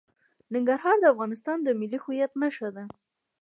ننګرهار د افغانستان د ملي هویت نښه ده.